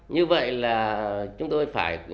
như vậy là chúng tôi phải